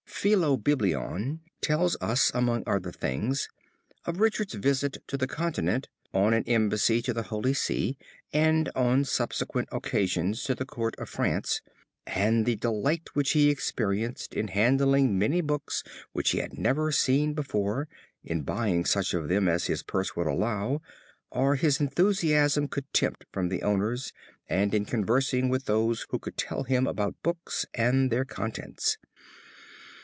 Philobiblon tells us, among other things, of Richard's visits to the continent on an Embassy to the Holy See and on subsequent occasions to the Court of France, and the delight which he experienced in handling many books which he had never seen before, in buying such of them as his purse would allow, or his enthusiasm could tempt from their owners and in conversing with those who could tell him about books and their contents.